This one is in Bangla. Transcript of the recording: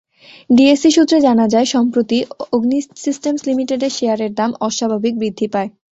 ডিএসই সূত্রে জানা যায়, সম্প্রতি অগ্নি সিস্টেমস লিমিটেডের শেয়ারের দাম অস্বাভাবিক বৃদ্ধি পায়।